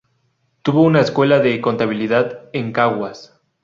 Tuvo una escuela de contabilidad en Caguas.